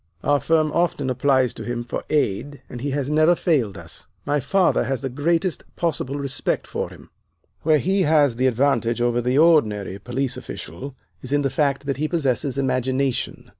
Our firm often applies to him for aid, and he has never failed us; my father has the greatest possible respect for him. Where he has the advantage over the ordinary police official is in the fact that he possesses imagination.